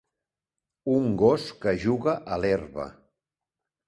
Un gos que juga a l'herba.